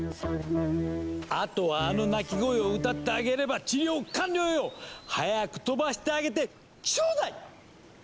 あとはあの鳴き声を歌ってあげれば治療完了よ！早く飛ばしてあげてちょうだい！